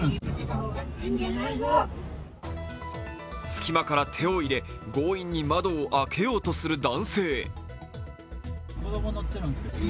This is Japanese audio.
隙間から手を入れ、強引に窓を開けようとする男性。